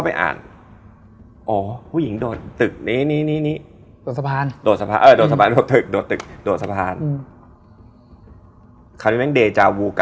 ทำสักทานที่เป็นยา